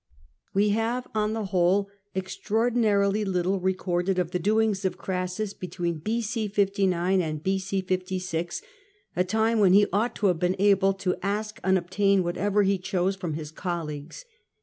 We have, on the whole, extraordinarily little recorded of the doings of Crassus between B.c, 59 and B.c. 56, a time when he ought to have been able to ask and obtaiu whatever he chose from his colleagues.